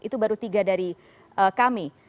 itu baru tiga dari kami